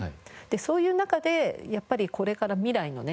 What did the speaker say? そういう中でやっぱりこれから未来のね